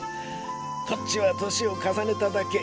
こっちは年を重ねただけ。